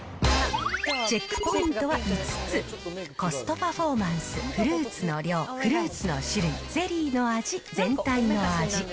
チェックポイントは５つ、コストパフォーマンス、フルーツの量、フルーツの種類、ゼリーの味、全体の味。